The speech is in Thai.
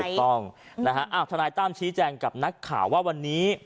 ถูกต้องนะฮะทนายตั้มชี้แจงกับนักข่าวว่าวันนี้